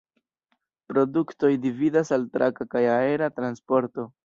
Produktoj dividas al traka kaj aera transporto.